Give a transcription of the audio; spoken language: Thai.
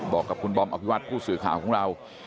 บอกกับคุณบอมอภิวัตผู้สื่อข่าวของเรา